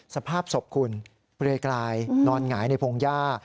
สภาพศพคุณเปลือยกลายนอนหงายในพงหญ้า